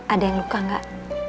ada yang luka gak